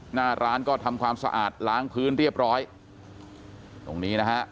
หน้าร้านก็ทำความสะอาดล้างพื้นเรียบร้อยตรงนี้นะฮะ